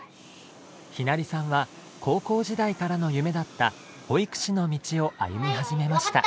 雛梨さんは高校時代からの夢だった保育士の道を歩み始めました。